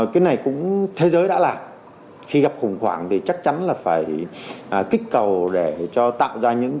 cái này cũng thế giới đã làm khi gặp khủng hoảng thì chắc chắn là phải kích cầu để cho tạo ra những